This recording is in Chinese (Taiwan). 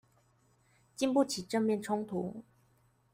禁不起正面衝突